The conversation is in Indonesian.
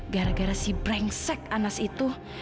gara gara si brengsek anas itu